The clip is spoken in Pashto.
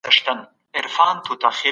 تاریخ د هېندارې په څېر حقایق ښيي.